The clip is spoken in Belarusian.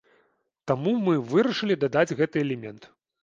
Таму мы вырашылі дадаць гэты элемент.